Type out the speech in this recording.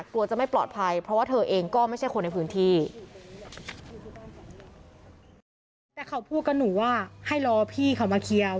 กลัวจะไม่ปลอดภัยเพราะว่าเธอเองก็ไม่ใช่คนในพื้นที่